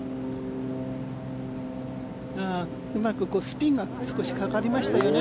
うまくスピンが少しかかりましたよね。